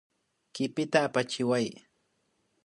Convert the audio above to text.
Kipita apachiway